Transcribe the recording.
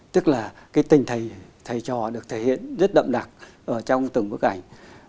tức là cái tình thầy trò được thể hiện rất đậm đặc trong từng bức ảnh